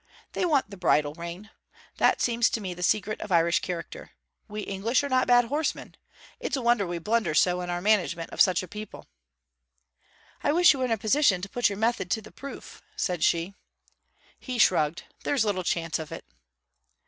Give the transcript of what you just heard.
They want the bridle rein. That seems to me the secret of Irish character. We English are not bad horsemen. It's a wonder we blunder so in our management of such a people.' 'I wish you were in a position to put your method to the proof,' said she. He shrugged. 'There's little chance of it!'